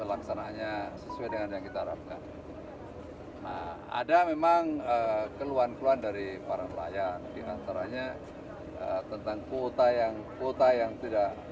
ada memang keluhan keluhan dari para nelayan diantaranya tentang kuota yang kuota yang tidak